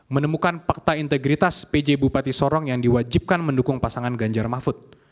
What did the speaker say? menemukan fakta integritas pj bupati sorong yang diwajibkan mendukung pasangan ganjar mahfud